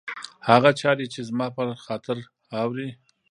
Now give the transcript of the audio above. هغه چاري چي زما پر خاطر اوري